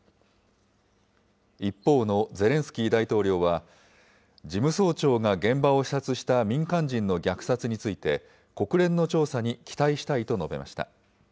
一方のゼレンスキー大統領は、事務総長が現場を視察した民間人の虐殺について、国連の調査に期待したいと述べました。